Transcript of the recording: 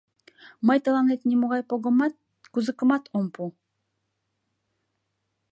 Мый тыланет нимо погымат, кузыкымат ом пу.